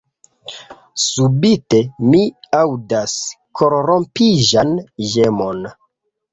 Subite, mi aŭdas korrompiĝan ĝemon.